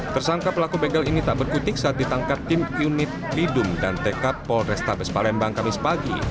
tersangka pelaku begal ini tak berkutik saat ditangkap tim unit lidum dan tk polrestabes palembang kamis pagi